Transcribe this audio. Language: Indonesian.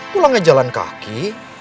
pulangnya jalan kaki